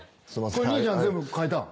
これ兄ちゃん全部描いたの？